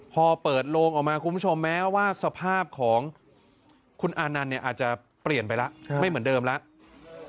พอเปิดโลงออกมาคุณผู้ชมแม้ว่าสภาพของคุณอานันต์เนี่ยอาจจะเปลี่ยนไปแล้วไม่เหมือนเดิมแล้ว